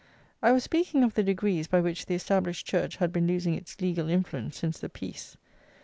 I was speaking of the degrees by which the established church had been losing its legal influence since the peace.